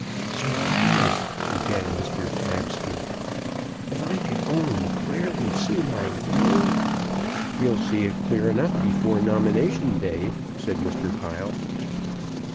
"Sir Thomas," began Mr. Pabsby, "if I could only clearly see my way " "You'll see it clear enough before nomination day," said Mr. Pile.